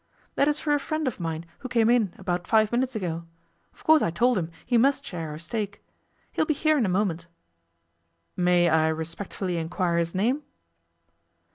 'That is for a friend of mine who came in about five minutes ago. Of course I told him he must share our steak. He'll be here in a moment.' 'May I respectfully inquire his name?